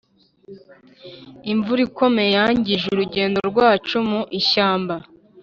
imvura ikomeye yangije urugendo rwacu mu ishyamba.